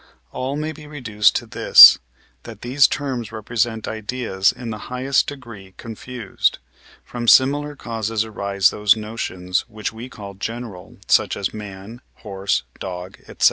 All may be reduced to this, that these terms represent ideas in the highest degree confused. From similar causes arise those notions, which we call general, such as man, horse, dog, &c.